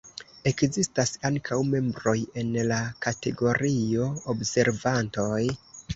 Ekzistas ankaŭ membroj en la kategorio 'observantoj'.